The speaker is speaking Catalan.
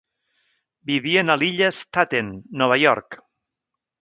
Vivien a l'illa d'Staten, Nova York.